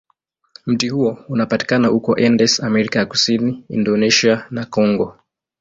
Mti huo unapatikana huko Andes, Amerika ya Kusini, Indonesia, na Kongo.